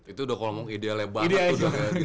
itu udah kalau ngomong idealnya banget